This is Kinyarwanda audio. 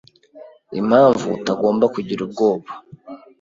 Impamvu utagomba kugira ubwoba